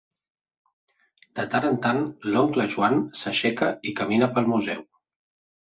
De tant en tant l'oncle Joan s'aixeca i camina pel museu.